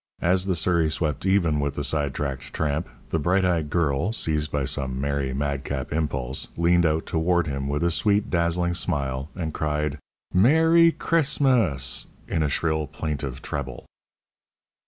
As the surrey swept even with the sidetracked tramp, the bright eyed girl, seized by some merry, madcap impulse, leaned out toward him with a sweet, dazzling smile, and cried, "Mer ry Christ mas!" in a shrill, plaintive treble.